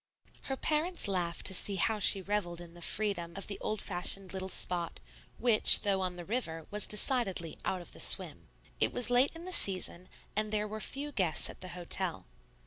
Her parents laughed to see how she revelled in the freedom of the old fashioned little spot, which, though on the river, was decidedly "out of the swim." It was late in the season, and there were few guests at the hotel.